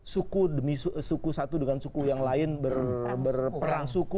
suku demi suku satu dengan suku yang lain berperang suku